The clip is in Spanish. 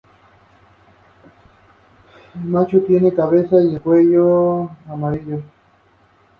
El macho tiene la cabeza y el cuello amarillos.